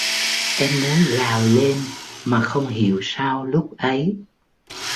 em muốn gào lên mà không hiểu sao lúc ấy